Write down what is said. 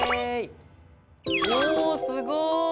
おおすごい！